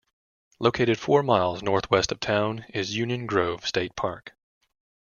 Located four miles northwest of town is Union Grove State Park.